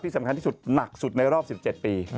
สำคัญที่สุดหนักสุดในรอบ๑๗ปี